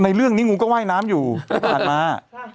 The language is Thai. เรื่องนี้งูก็ว่ายน้ำอยู่ที่ผ่านมา